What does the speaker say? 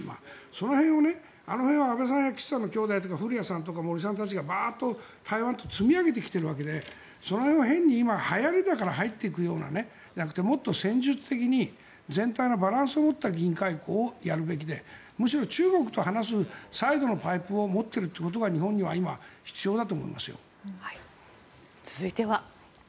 その辺が安倍さんや岸さんの兄弟とか古屋さんとか森さんとかが台湾と積み上げてきているわけでその辺を変に今はやりだから入っていくんじゃなくてもっと戦術的に全体のバランスを持った議員外交をやるべきでむしろ中国と話す最後のパイプを持っているということが続いては。